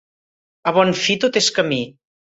A bon fi tot li és camí.